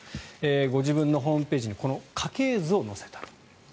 ご自分のホームページに家系図を載せた。